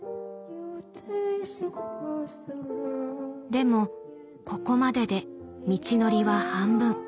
でもここまでで道のりは半分。